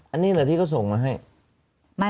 อันนี้แหละที่เขาส่งมาให้